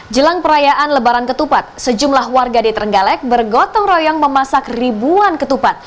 jelang perayaan lebaran ketupat sejumlah warga di terenggalek bergotong royong memasak ribuan ketupat